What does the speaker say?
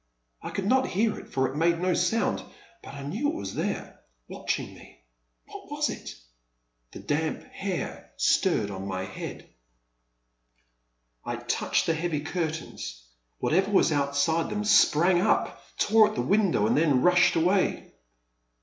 I could not hear it, for it made no sound, but I knew it was there, watching me. What was it ? The damp hair stirred on my head. I 378 The Man at the Next Table. touched the heavy cortains. Whatever was out side them sprang up, tore at the window, and then rushed away.